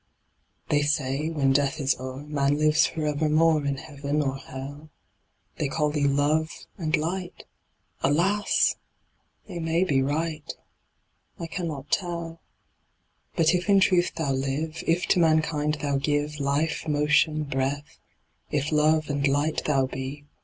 They say, when death is o'er Man lives for evermore In heaven or hell ; They call Thee Love and Light Alas ! they may be right, I cannot tell. But if in truth Thou live, If to mankind Thou give Life, motion, breath ; If Love and Light Thou be.